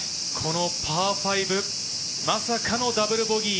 パー５、まさかのダブルボギー。